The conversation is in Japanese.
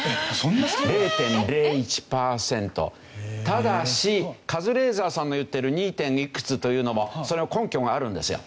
ただしカズレーザーさんが言ってる２．いくつというのもそれは根拠があるんですよ。